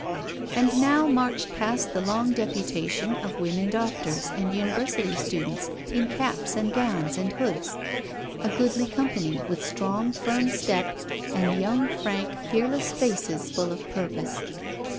And now marched past the long deputation of women doctors and University students in caps and gowns and hoods— a goodly company, with strong, firm step, and young, frank, fearless faces full of purpose.